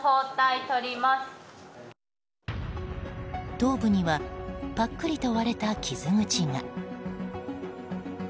頭部にはぱっくりと割れた傷口が。